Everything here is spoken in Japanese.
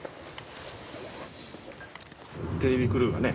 テレビクルーがね